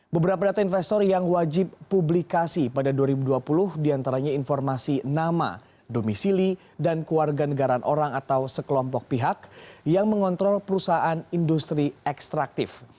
beberapa data investor yang wajib publikasi pada dua ribu dua puluh diantaranya informasi nama domisili dan keluarga negaraan orang atau sekelompok pihak yang mengontrol perusahaan industri ekstraktif